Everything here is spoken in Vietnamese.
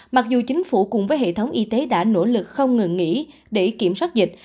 mặc dù chính phủ cùng với hệ thống y tế đã nỗ lực không ngừng nghỉ để kiểm soát dịch